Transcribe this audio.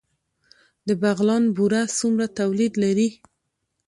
د بغلان بوره څومره تولید لري؟